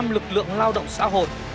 hai mươi bảy lực lượng lao động xã hội